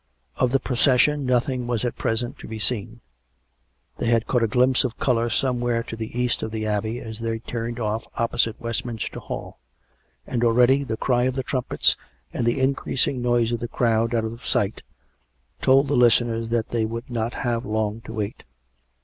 Of the procession nothing was at present to be seen. They had caught a glimpse of colour somewhere to the east of the Abbey as they turned off opposite Westminster Hall ; and already the cry of the trumpets and the increasing noise of a crowd out of sight, told the listeners tliat they would not have long to wait.